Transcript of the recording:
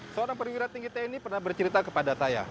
seorang perwira tinggi tni pernah bercerita kepada saya